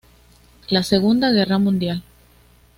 La Segunda Guerra Mundial.